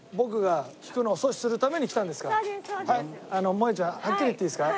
もえちゃんはっきり言っていいですか？